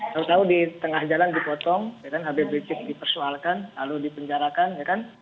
tahu tahu di tengah jalan dipotong habib rizik dipersoalkan lalu dipenjarakan ya kan